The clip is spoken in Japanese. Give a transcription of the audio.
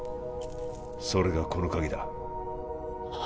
それがこの鍵だ